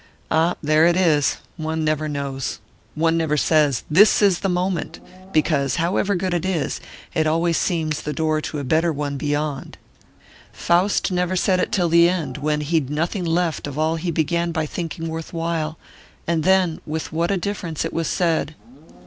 "Ah, there it is one never knows one never says, This is the moment! because, however good it is, it always seems the door to a better one beyond. Faust never said it till the end, when he'd nothing left of all he began by thinking worth while; and then, with what a difference it was said!"